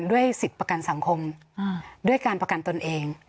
ด้วยสิทธิ์ประกันสังคมด้วยการประกันตนเอง